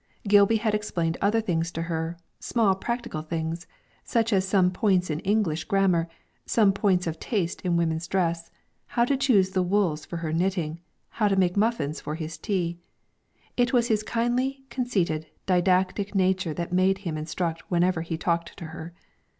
Gilby had explained other things to her, small practical things, such as some points in English grammar, some principles of taste in woman's dress, how to choose the wools for her knitting, how to make muffins for his tea. It was his kindly, conceited, didactic nature that made him instruct whenever he talked to her.